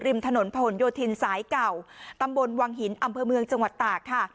ริมถนนผนโยธินสายเก่าตำบลวังหินอำเภอเมืองจังหวัดตากค่ะ